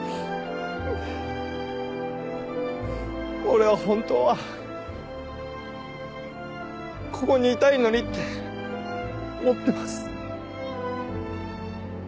俺は本当はここにいたいのにって思ってます。